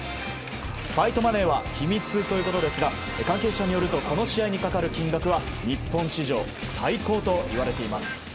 ファイトマネーは秘密ということですが関係者によるとこの試合にかかる金額は日本史上最高といわれています。